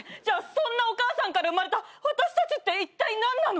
そんなお母さんから生まれた私たちっていったい何なの？